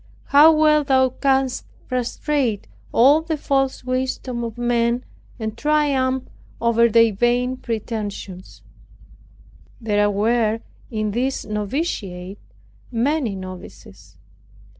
How well Thou canst frustrate all the false wisdom of men, and triumph over their vain pretensions! There were in this noviciate many novices.